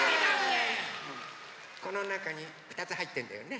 このなかにふたつはいってんだよね？